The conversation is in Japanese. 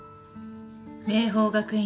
明峰学園